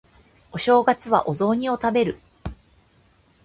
お正月はお雑煮を食べる